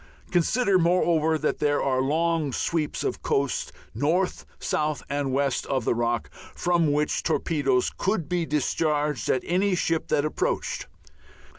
Consider, moreover, that there are long sweeps of coast north, south, and west of the Rock, from which torpedoes could be discharged at any ship that approached.